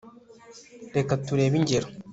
reka turebe ingero